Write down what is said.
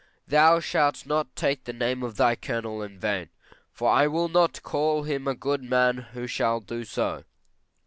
Thou shalt not take the name of thy Colonel in vain, for I will not call him a good man who shall do so.